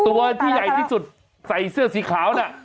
ตัวที่ใหญ่ที่สุดใส่เสื้อสีขาวน่ะ